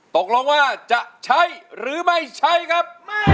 ตกลงว่าจะใช้หรือไม่ใช้ครับ